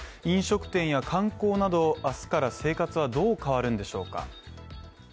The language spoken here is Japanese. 飲食店や観光など、明日から生活はどう変わるんでしょうか。